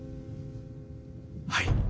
はい。